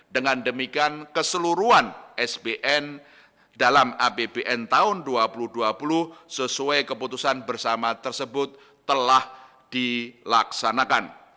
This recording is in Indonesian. dengan demikian keseluruhan sbn dalam apbn tahun dua ribu dua puluh sesuai keputusan bersama tersebut telah dilaksanakan